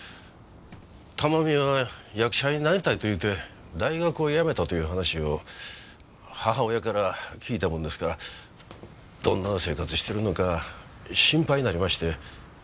珠美が役者になりたいと言うて大学を辞めたという話を母親から聞いたもんですからどんな生活してるのか心配になりまして。